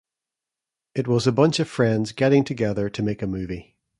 It was a bunch of friends getting together to make a movie.